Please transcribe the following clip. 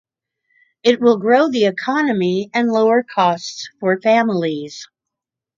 It will grow the economy and lower costs for families.